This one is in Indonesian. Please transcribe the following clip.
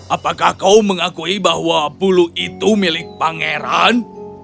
apakah kau mengakui bahwa bulu itu milik pangeran